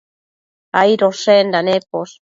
Aidoshenda neposh